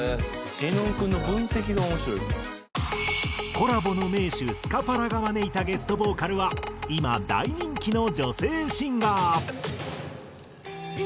「絵音君の分析が面白い」コラボの名手スカパラが招いたゲストボーカルは今大人気の女性シンガー。